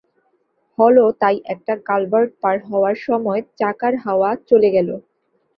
হলও তাই একটা কালভার্ট পার হবার সময় চাকার হাওয়া চলে গেল।